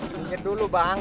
minggir dulu bang